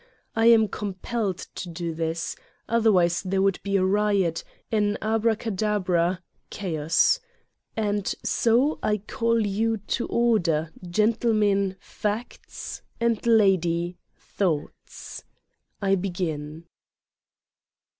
I am compelled to do this : otherwise there would be a riot, an abrecadebra, chaos. And so I call you to order, gentleman facts and lady thoughts. I begin.